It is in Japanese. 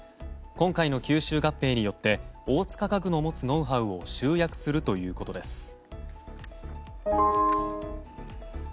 今回の吸収合併によって大塚家具の持つノウハウを集約するということです。